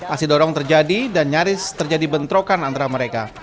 asidorong terjadi dan nyaris terjadi bentrokan antara mereka